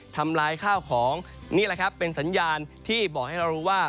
ทำลายข้าวของนี่แหละครับเป็นสัญญาณที่บอกให้เรารู้ว่า